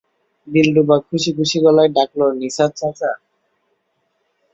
দিলরুবা খুশি-খুশি গলায় ডাকল, নিসার চাচা।